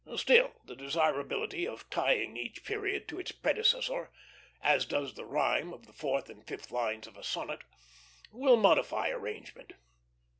Still, the desirability of tying each period to its predecessor, as does the rhyme of the fourth and fifth lines of a sonnet, will modify arrangement.